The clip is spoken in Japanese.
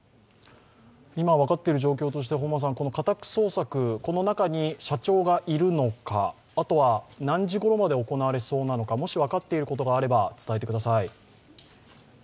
今、分かっている状況として家宅捜索、この中に社長がいるのか、あとは、何時ごろまで行われそうなのかもし分かっていることがあれば、伝えてください。